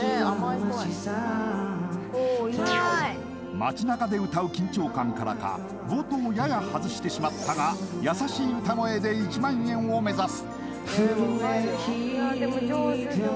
街なかで歌う緊張感からか冒頭、やや外してしまったが優しい歌声で１万円を目指す。